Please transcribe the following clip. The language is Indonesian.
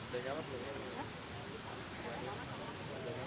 jangan lupai kamu anaknya